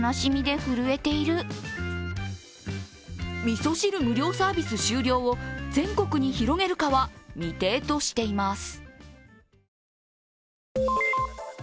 みそ汁無料サービス終了を全国に広げるかは未定としています。